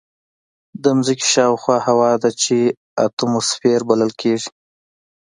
د ځمکې شاوخوا هوا ده چې اتماسفیر بلل کېږي.